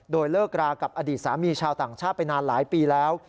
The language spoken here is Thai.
โดยเลิกรากับอดีตสามีชาวต่างชาติไปนานหลายปีแล้ว